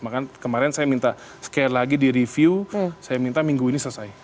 maka kemarin saya minta sekali lagi di review saya minta minggu ini selesai